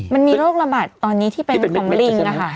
มันมีโรคระบาดตอนนี้ที่เป็นของลิงอะค่ะ